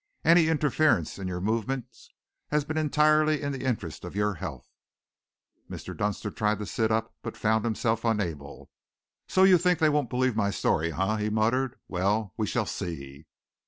Any interference in your movements has been entirely in the interests of your health." Mr. Dunster tried to sit up but found himself unable. "So you think they won't believe my story, eh?" he muttered. "Well, we shall see."